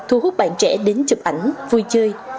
thu hút bạn trẻ đến chụp ảnh vui chơi